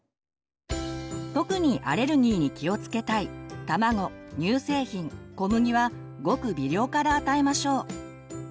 特にアレルギーに気をつけたい卵乳製品小麦はごく微量から与えましょう。